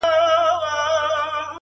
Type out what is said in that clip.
o اوس يې ياري كومه ياره مـي ده؛